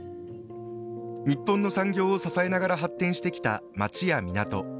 日本の産業を支えながら発展してきた町や港。